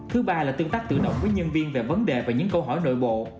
thứ ba là tương tác tự động với nhân viên về vấn đề và những câu hỏi nội bộ